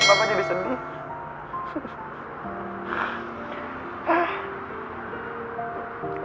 papa jadi sedih